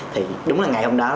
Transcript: thì đúng là ngày hôm đó